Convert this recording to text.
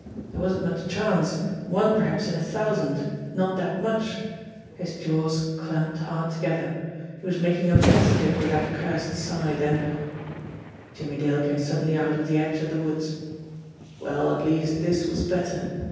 There wasn't much chance one perhaps in a thousand not that much ! His jaws clamped hard together. He was mak ing a mess of it with that cursed side, and Jimmie Dale came suddenly out of the edge of the woods. Well, at least, this was better